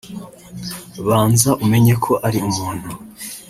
banza umenye ko ari umuntu